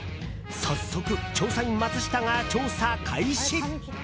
早速、調査員マツシタが調査開始！